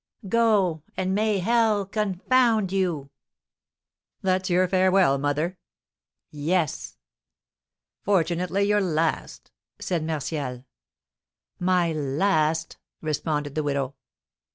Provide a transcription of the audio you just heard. "Go, and may hell confound you!" "That's your farewell, mother?" "Yes." "Fortunately your last!" said Martial. "My last!" responded the widow.